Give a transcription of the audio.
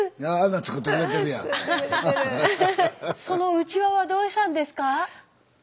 そのうちわはどうしたんですか？